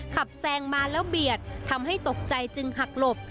แซงมาแล้วเบียดทำให้ตกใจจึงหักหลบ